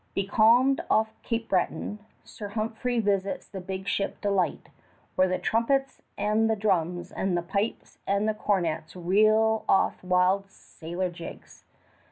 Becalmed off Cape Breton, Sir Humphrey visits the big ship Delight, where the trumpets and the drums and the pipes and the cornets reel off wild sailor jigs.